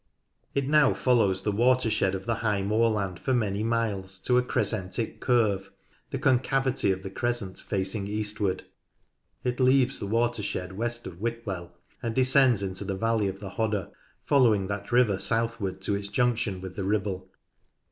It now follows the watershed of the high moorland for many miles in a crescentic curve, the concavity of the crescent facing eastward. It leaves the watershed west of Whitewell, and descends into the valley of the Hodder, following that river southward to its junction with the Ribble.